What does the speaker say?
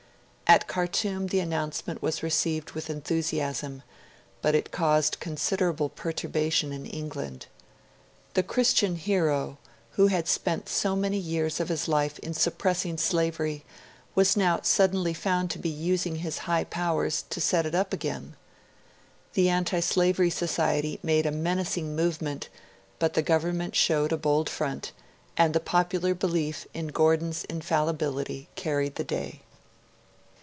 At Khartoum the announcement was received with enthusiasm, but it caused considerable perturbation in England. The Christian hero, who had spent so many years of his life in suppressing slavery, was now suddenly found to be using his high powers to set it up again. The Anti Slavery Society made a menacing movement, but the Government showed a bold front, and the popular belief in Gordon's infallibility carried the day.